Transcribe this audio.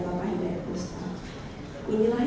bernama hidayat bostan